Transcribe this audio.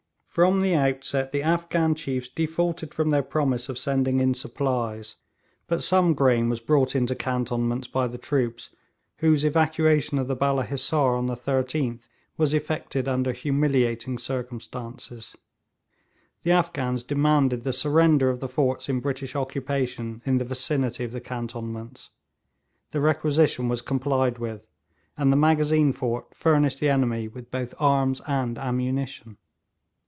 From the outset the Afghan chiefs defaulted from their promise of sending in supplies, but some grain was brought into cantonments by the troops, whose evacuation of the Balla Hissar on the 13th was effected under humiliating circumstances. The Afghans demanded the surrender of the forts in British occupation in the vicinity of the cantonments. The requisition was complied with, and the Magazine fort furnished the enemy with both arms and ammunition.